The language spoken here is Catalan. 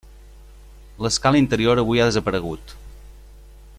L'escala interior avui ha desaparegut.